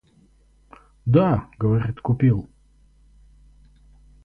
Да, говорит, купил.